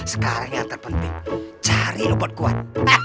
sekarang yang terpenting cari lumpur kuat